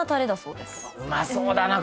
うまそうだな